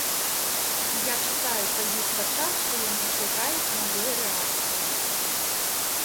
І я чытаю па іх вачах, што яны чакаюць маёй рэакцыі.